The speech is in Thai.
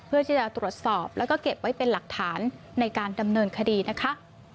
เพื่อที่จะตรวจสอบแล้วก็เก็บไว้เป็นหลักฐานในการดำเนินคดีนะคะ